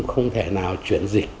không thể nào chuyển dịch